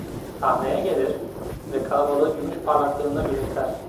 Sahneye gelir ve kalabalığı gümüş parlaklığında gülümser.